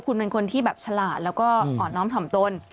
คุณเป็นคนที่แบบฉลาดแล้วก็อ่อนน้อมถ่อมตน